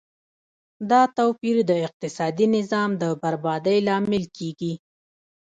دا توپیر د اقتصادي نظام د بربادۍ لامل کیږي.